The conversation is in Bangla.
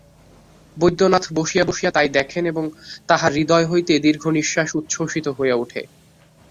বৈদ্যনাথ বসিয়া বসিয়া তাই দেখেন এবং তাঁহার হৃদয় হইতে দীর্ঘনিশ্বাস উচ্ছসিত হইয়া উঠে।